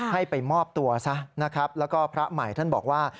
ให้ไปมอบตัวซะนะครับแล้วก็พระใหม่ท่านบอกว่า